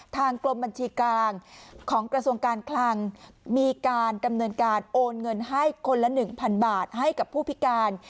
กรมบัญชีกลางของกระทรวงการคลังมีการดำเนินการโอนเงินให้คนละ๑๐๐๐บาทให้กับผู้พิการ